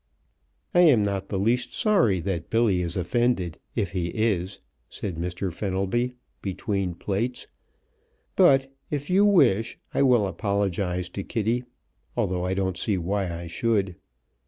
"I am not the least sorry that Billy is offended, if he is," said Mr. Fenelby, between plates; "but if you wish I will apologize to Kitty, although I don't see why I should.